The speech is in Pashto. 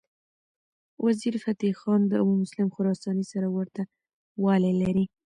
وزیرفتح خان د ابومسلم خراساني سره ورته والی لري.